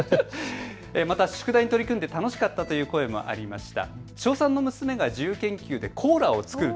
宿題に取り組んで楽しかったという声もありました。